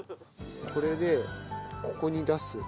これでここに出す。